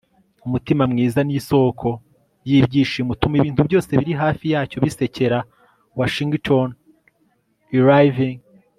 umutima mwiza ni isoko y'ibyishimo, utuma ibintu byose biri hafi yacyo bisekera. - washington irving